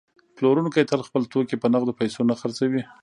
پلورونکی تل خپل توکي په نغدو پیسو نه خرڅوي